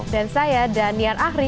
dan saya danian ahri